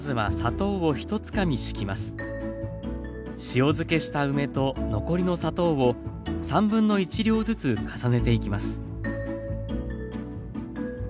塩漬けした梅と残りの砂糖を1/3量ずつ重ねていきます。